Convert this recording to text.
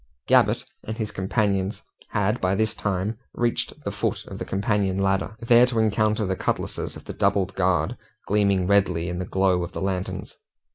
Gabbett and his companions had by this time reached the foot of the companion ladder, there to encounter the cutlasses of the doubled guard gleaming redly in the glow of the lanterns.